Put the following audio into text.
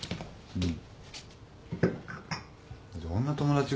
うん。